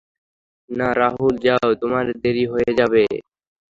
না রাহুল যাও তোমার দেরি হয়ে যাবে।